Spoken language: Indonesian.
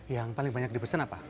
yang paling banyak dipesan apa